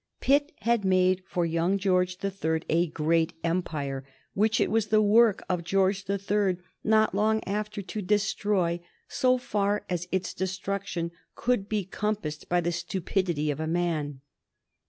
Pitt had made for young George the Third a great empire, which it was the work of George the Third not long after to destroy, so far as its destruction could be compassed by the stupidity of a man.